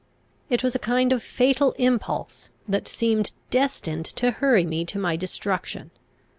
It was a kind of fatal impulse, that seemed destined to hurry me to my destruction.